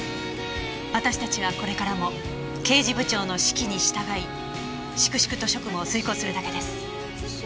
私たちはこれからも刑事部長の指揮に従い粛々と職務を遂行するだけです。